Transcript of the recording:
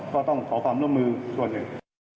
ก็ต้องขอความร่วมมือส่วนหนึ่ง